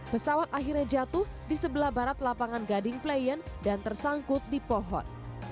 pesawat akhirnya jatuh di sebelah barat lapangan gading playan dan tersangkut di pohon